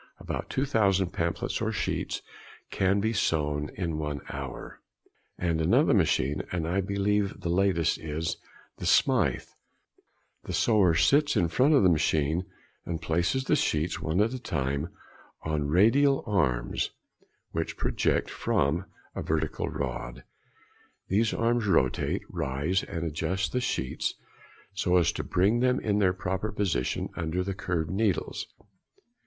About two thousand pamphlets or sheets can be sewn in one hour. Another machine, and I believe the latest, is the "Smythe." The sewer sits in front of the machine and places the sheets, one at a time, on radial arms which project from a vertical rod. These arms rotate, rise, and adjust the sheets, so as to bring them in their proper position under the curved needles.